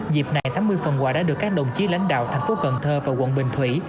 dịp này thám mưu phần quà đã được các đồng chí lãnh đạo tp cần thơ và quận bình thủy